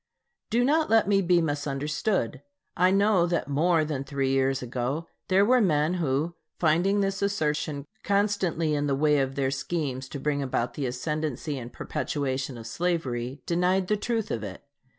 Do not let me be misunderstood. I know that more than three years ago there were men who, finding this assertion constantly in the way of their schemes to bring about the ascendency and perpetuation of slavery, denied the truth of it.